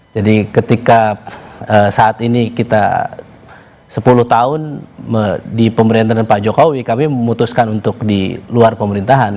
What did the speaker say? jadi ketika saat ini kita sepuluh tahun di pemerintahan pak jokowi kami memutuskan untuk di luar pemerintahan